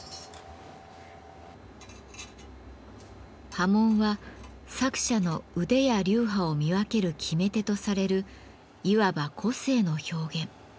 刃文は作者の腕や流派を見分ける決め手とされるいわば個性の表現。